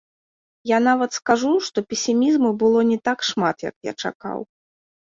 Я нават скажу, што песімізму было не так шмат, як я чакаў.